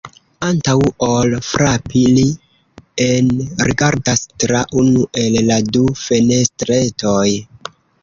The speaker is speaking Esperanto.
Antaŭ ol frapi, li enrigardas tra unu el la du fenestretoj.